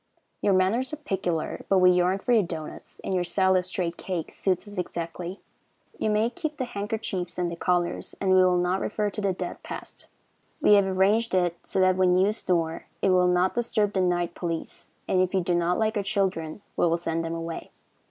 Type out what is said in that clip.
Your manners are peculiar, but we yearn for your doughnuts, and your style of streaked cake suits us exactly. You may keep the handkerchiefs and the collars, and we will not refer to the dead past. We have arranged it so that when you snore it will not disturb the night police, and if you do not like our children we will send them away.